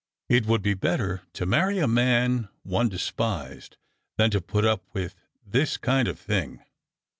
" It would be better to marry a man one despised than to put up with this kind of thing."